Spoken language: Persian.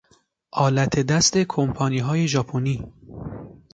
آلت دست کمپانیهای ژاپنی